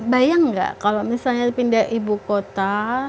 bayang nggak kalau misalnya pindah ibu kota